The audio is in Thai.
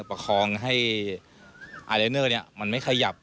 ประคองให้อายไลเนอร์นี้มันไม่ขยับ